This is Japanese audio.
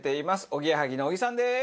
おぎやはぎの小木さんです。